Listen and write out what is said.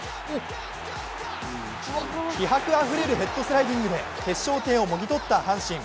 気迫あふれるヘッドスライディングで決勝点をもぎ取った阪神。